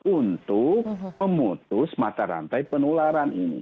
untuk memutus mata rantai penularan ini